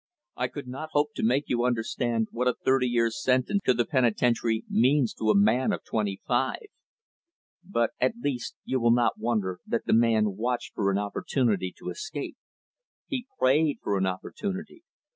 I could not hope to make you understand what a thirty years sentence to the penitentiary means to a man of twenty five. But, at least, you will not wonder that the man watched for an opportunity to escape. He prayed for an opportunity.